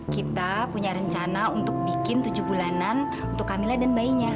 kita punya rencana untuk bikin tujuh bulanan untuk camilla dan bayinya